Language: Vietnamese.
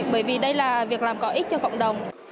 bởi vì đây là việc làm có ích cho cộng đồng